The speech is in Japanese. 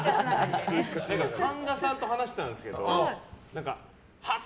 神田さんと話してたんですけどはっ！